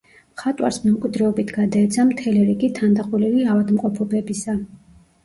მხატვარს მემკვიდრეობით გადაეცა მთელი რიგი თანდაყოლილი ავადმყოფობებისა.